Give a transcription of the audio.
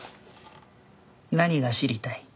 何が知りたい？